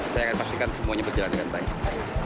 saya akan pastikan semuanya berjalan dengan baik